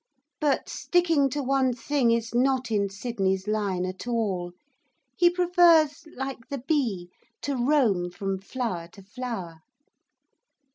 But sticking to one thing is not in Sydney's line at all. He prefers, like the bee, to roam from flower to flower.